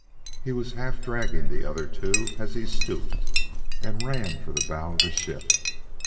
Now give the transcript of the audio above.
He was half dragging the other two as he stooped and ran for the bow of the ship.